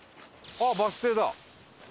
あっバス停！